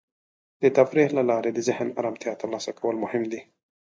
د تفریح له لارې د ذهن ارامتیا ترلاسه کول مهم دی.